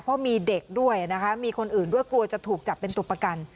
เพราะมีเด็กด้วยนะคะมีคนอื่นด้วยกลัวจะถูกจับเป็นตัวประกัน